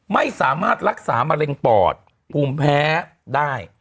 ไม่สามารถรักษามะเร็งปอดภูมิแพ้ได้